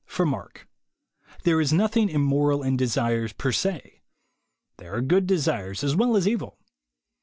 For mark. There is nothing immoral in desires per se. There are good desires as well as evil.